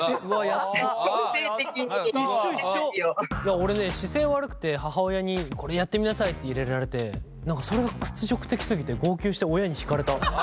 俺ね姿勢悪くて母親にこれやってみなさいって入れられてそれが屈辱的すぎて号泣して親に引かれた。